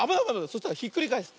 そしたらひっくりかえす。